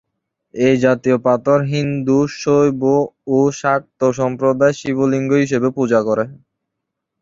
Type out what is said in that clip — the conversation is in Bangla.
এই জাতীয় পাথর হিন্দু শৈব ও স্মার্ত সম্প্রদায় শিবলিঙ্গ হিসেবে পূজা করে।